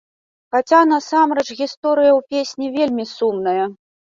Хаця, насамрэч, гісторыя ў песні вельмі сумная.